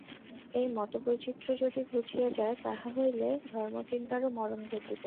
এই মতবৈচিত্র্য যদি ঘুচিয়া যায়, তাহা হইলে ধর্মচিন্তারও মরণ ঘটিবে।